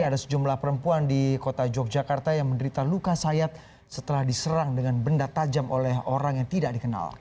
ada sejumlah perempuan di kota yogyakarta yang menderita luka sayat setelah diserang dengan benda tajam oleh orang yang tidak dikenal